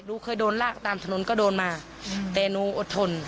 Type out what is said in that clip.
หนูเคยโดนลากตามถนนก็โดนมาแต่หนูอดทน